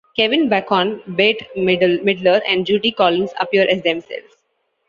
Kevin Bacon, Bette Midler, and Judy Collins appear as themselves.